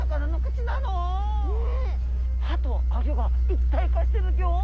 歯とあギョが一体化してるギョ！